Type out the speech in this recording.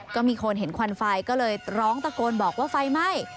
ก็มีคนเห็นควันไฟก็เลยร้องตะโกนบอกว่าไฟไหม้